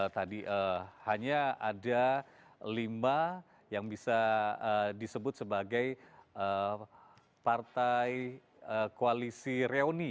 tadi hanya ada lima yang bisa disebut sebagai partai koalisi reuni